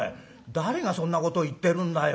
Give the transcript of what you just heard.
誰がそんなことを言ってるんだよ。